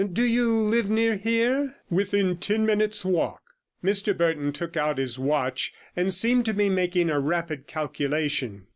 Do you live near here?' 'Within ten minutes' walk.' Mr Burton took out his watch, and seemed to be making a rapid calculation.